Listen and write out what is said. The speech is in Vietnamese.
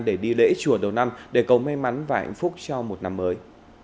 để đi lễ chùa đầu năm để cầu may mắn và hạnh phúc cho một năm mới